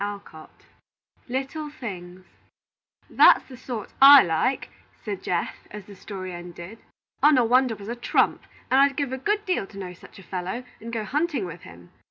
Little Things "That's the sort I like," said Geoff, as the story ended; "Onawandah was a trump, and I'd give a good deal to know such a fellow, and go hunting with him.